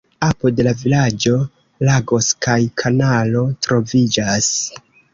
Apud la vilaĝo lagoj kaj kanalo troviĝas.